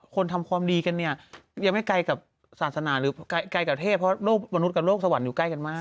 ทำความดีกันเนี่ยยังไม่ไกลกับศาสนาหรือไกลกับเทพเพราะโลกมนุษย์กับโลกสวรรค์อยู่ใกล้กันมาก